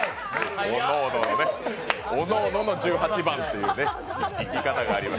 おのおのの十八番という生き方があります。